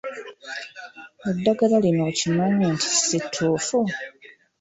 Eddagala lino okimanyi nti si ttuufu?